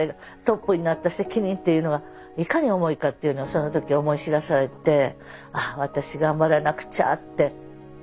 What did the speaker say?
トップになった責任っていうのがいかに重いかっていうのをその時思い知らされてああ私頑張らなくちゃって。